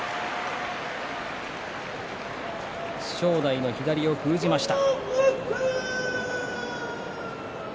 正代の左を封じました。